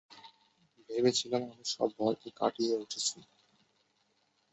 ভেবেছিলাম, আমি সব ভয়কে কাটিয়ে উঠেছি।